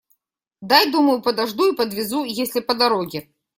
Дай, думаю, подожду и подвезу, если по дороге.